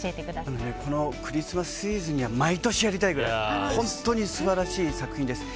このクリスマスシーズンには毎年やりたいぐらい本当に素晴らしい作品です。